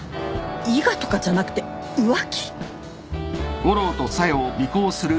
伊賀とかじゃなくて浮気！？